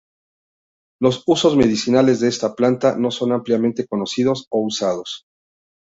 Los usos medicinales de esta planta no son ampliamente conocidos o usados.